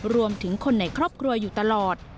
รวมถึงคนในครอบครัวอยู่ตลอด